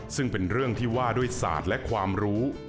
ซึ่งเป็นเรื่องที่ว่าด้วยศาสตร์และความรู้